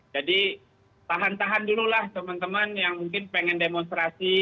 jadi tahan tahan dulu lah teman teman yang mungkin pengen demonstrasi